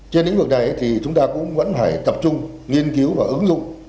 trên lĩnh vực này thì chúng ta cũng vẫn phải tập trung nghiên cứu và ứng dụng